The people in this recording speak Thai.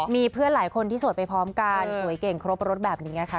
มีเพื่อนหลายคนที่โสดไปพร้อมกันสวยเก่งครบรถแบบนี้ค่ะ